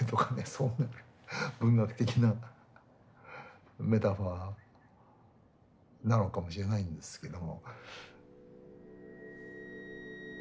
そんな文学的なメタファーなのかもしれないんですけど。